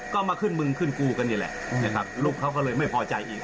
ก็มาขึ้นมึงขึ้นกูกันนี่แหละนะครับลูกเขาก็เลยไม่พอใจอีก